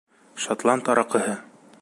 Шотланд араҡыһы.